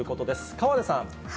河出さん。